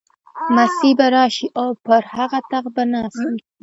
مسیح به راشي او پر هغه تخت به ناست وي.